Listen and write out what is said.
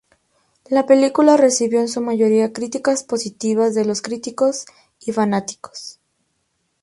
La película recibió en su mayoría críticas positivas de los críticos y fanáticos.